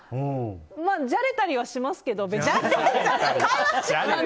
まあ、じゃれたりはしますけど。